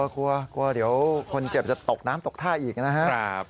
กลัวเดี๋ยวคนเจ็บจะตกน้ำตกท่าอีกนะครับ